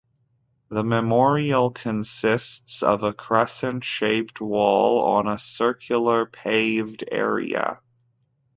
The memorial consists of a crescent shaped wall on a circular paved area.